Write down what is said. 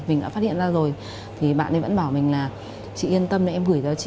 mình đã phát hiện ra rồi thì bạn ấy vẫn bảo mình là chị yên tâm đấy em gửi cho chị